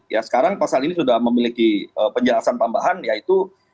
ya sekarang pasal ini sudah memiliki penjelasan tambahan yaitu